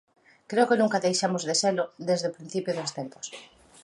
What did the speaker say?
Creo que nunca deixamos de selo desde o principio dos tempos.